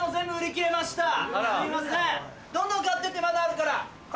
どんどん買ってってまだあるから。